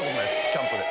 キャンプで。